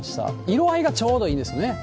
色合いがちょうどいいですね。